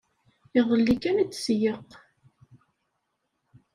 Iḍelli kan i d-tseyyeq.